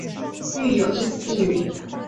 育有一子一女。